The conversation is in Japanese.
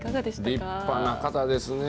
立派な方ですね。